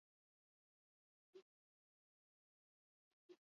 Mundial hartan, Espainia munduko txapeldun izatea lagundu zuen.